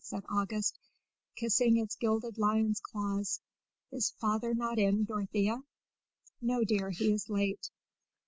said August, kissing its gilded lion's claws. "Is father not in, Dorothea?" "No, dear. He is late."